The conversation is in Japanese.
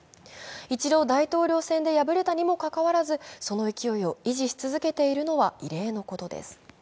一度、大統領選で敗れたにもかかわらずその勢いを維持し続けているのは異例のことです。